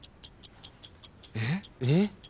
えっ？